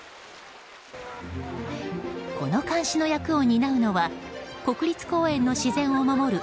この監視の役を担うのは国立公園の自然を守る